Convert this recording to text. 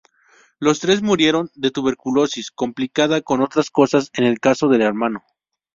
Los tres murieron de tuberculosis, complicada con otras cosas en el caso del hermano.